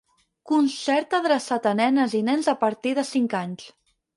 Concert adreçat a nenes i nens a partir de cinc anys.